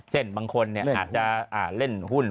เช่นบางคนอาจจะเล่นหุ้น